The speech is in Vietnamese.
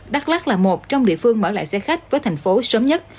đắk lắc là một trong địa phương mở lại xe khách với thành phố sớm nhất